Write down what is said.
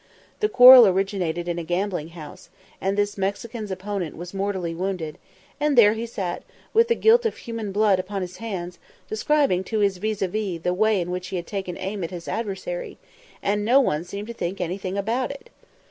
The quarrel originated in a gambling house, and this Mexican's opponent was mortally wounded, and there he sat, with the guilt of human blood upon his hands, describing to his vis à vis the way in which he had taken aim at his adversary, and no one seemed to think anything about it.